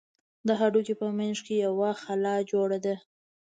د هډوکي په منځ کښې يوه خلا جوړه ده.